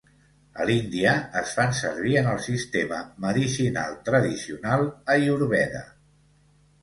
A l'Índia es fan servir en el sistema medicinal tradicional ayurveda.